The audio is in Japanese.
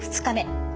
２日目。